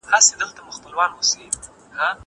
زه اوږده وخت مځکي ته ګورم وم!